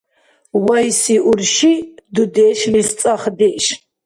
Вайси урши - дудешлис цӀахдеш.